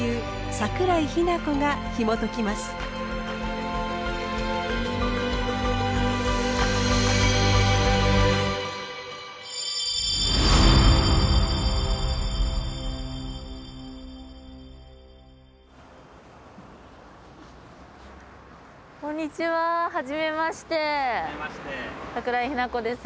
桜井日奈子です。